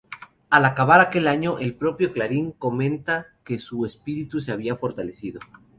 Al acabar aquel año, el propio Clarín comenta que "su espíritu se había fortalecido".